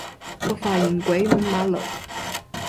個髮型鬼五馬六